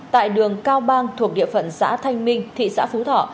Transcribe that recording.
tại đường cao bang thuộc địa phận xã thanh minh thị xã phú thọ